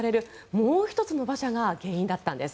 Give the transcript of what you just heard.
もう１つの馬車が原因だったんです。